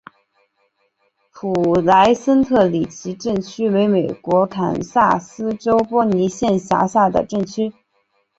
普莱森特里奇镇区为美国堪萨斯州波尼县辖下的镇区。